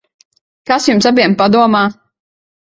Kas jums abiem padomā?